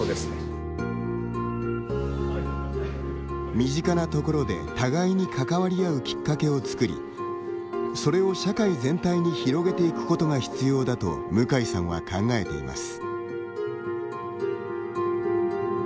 身近なところで互いに関わり合うきっかけを作りそれを社会全体に広げていくことが必要だと向井さんは考えています。